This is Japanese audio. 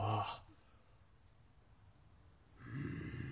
うん。